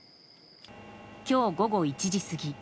今日午後１時過ぎ